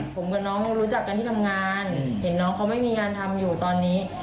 ผมกับน้องเขารู้จักกันที่ทำงานเห็นน้องเขาไม่มีงานทำอยู่ตอนนี้